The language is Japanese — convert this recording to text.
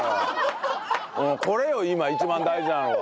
これよ今一番大事なのは。